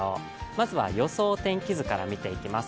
まずは予想天気図から見ていきます。